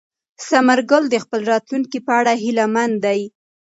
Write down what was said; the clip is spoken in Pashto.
ثمر ګل د خپل راتلونکي په اړه هیله من دی.